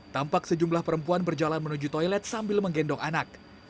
tampak sejumlah perempuan berjalan menuju toilet sambil menggendong anak